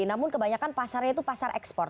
namun kebanyakan pasarnya itu pasar ekspor